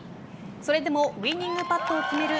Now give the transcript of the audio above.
それでもウイニングパットを決める